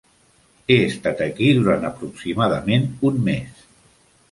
He estat aquí durant aproximadament un mes.